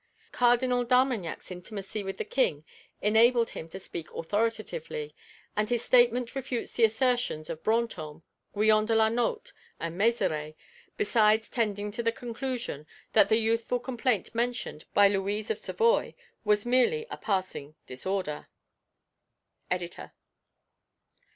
Cardinal d'Armagnac's intimacy with the King enabled him to speak authoritatively, and his statement refutes the assertions of Brantôme, Guyon de la Nauthe and Mézeray, besides tending to the conclusion that the youthful complaint mentioned by Louise of Savoy was merely a passing disorder.